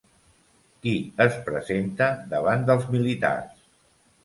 Qui es presenta davant dels militars?